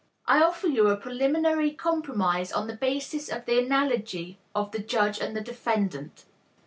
I offer you a preliminary compromise on the basis of the analogy of the judge and the defendant.